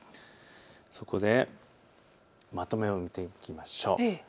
そこでまとめていきましょう。